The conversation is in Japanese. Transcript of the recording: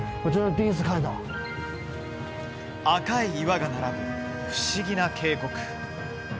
赤い岩が並ぶ不思議な渓谷。